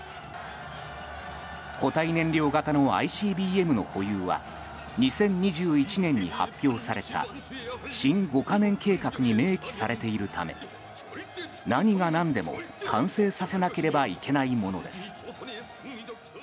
固体燃料型のＩＣＢＭの保有は２０２１年に発表された新５か年計画に明記されているため何が何でも完成させなければいけないものです。